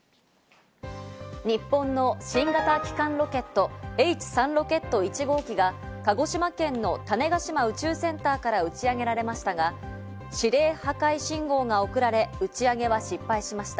日本の新型基幹ロケット、Ｈ３ロケット１号機が鹿児島県の種子島宇宙センターから打ち上げられましたが、指令破壊信号が送られ、打ち上げは失敗しました。